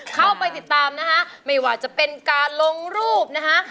เข้าไปติดตามนะคะไม่ว่าจะเป็นการลงรูปนะคะ